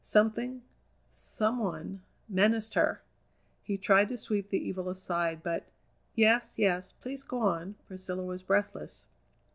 Something, some one, menaced her! He tried to sweep the evil aside, but " "Yes, yes, please go on!" Priscilla was breathless.